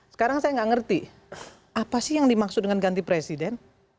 sekarang saya nggak ngerti apa sih yang dimaksud dengan ganti presiden